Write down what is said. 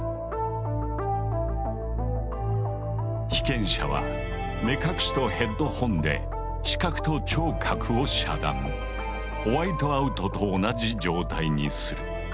被験者は目隠しとヘッドホンでホワイトアウトと同じ状態にする。